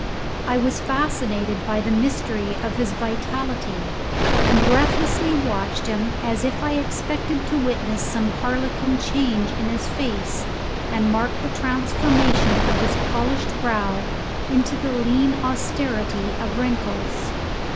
I was fascinated by the mystery of his vitality, and breathlessly watched him as if I expected to witness some harlequin change in his face and mark the transformation of his polished brow into the lean austerity of wrinkles.